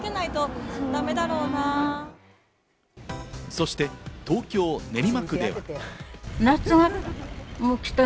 そして東京・練馬区では。